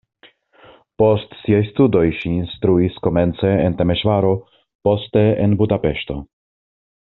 Post siaj studoj ŝi instruis komence en Temeŝvaro, poste en Budapeŝto.